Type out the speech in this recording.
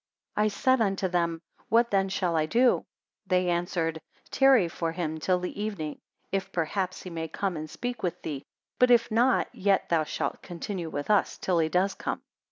I said unto them, What then shall I do? They answered, Tarry for him till the evening, if perhaps he may come and speak with thee; but if not, yet thou shalt continue with us till he does come.